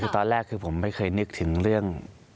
ตอนแรกผมไม่เคยนึกถึงเรื่อง